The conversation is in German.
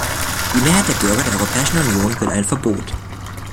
Die Mehrheit der Bürger der Europäischen Union will ein Verbot.